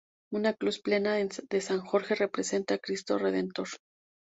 Una cruz plena de San Jorge representa a Cristo redentor.